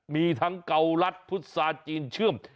มีทั้งเการัสพุทธศาสตร์จีนเชื่อม